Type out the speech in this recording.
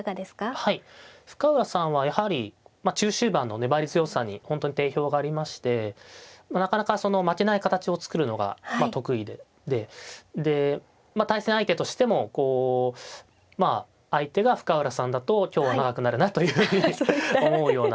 はい深浦さんはやはり中終盤の粘り強さに本当に定評がありましてなかなかその負けない形を作るのが得意でで対戦相手としてもこう相手が深浦さんだと今日は長くなるなと思うようなそれぐらいの粘り強い棋士ですね。